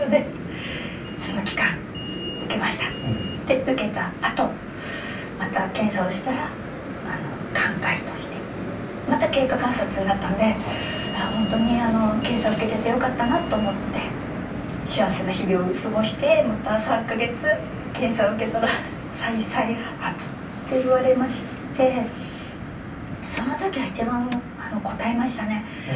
で受けたあとまた検査をしたら寛解としてまた経過観察になったんで本当に検査を受けててよかったなと思って幸せな日々を過ごしてまた３か月検査を受けたら「再々発」って言われましてその時は一番こたえましたね。